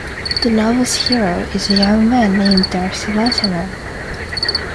The novel's hero is a young man named Darsie Latimer.